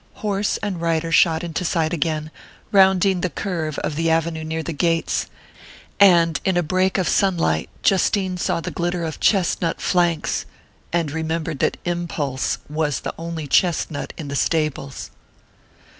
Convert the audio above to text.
Horse and rider shot into sight again, rounding the curve of the avenue near the gates, and in a break of sunlight Justine saw the glitter of chestnut flanks and remembered that Impulse was the only chestnut in the stables....